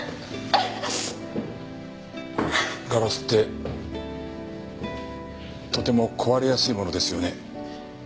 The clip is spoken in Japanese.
ガラスってとても壊れやすいものですよね。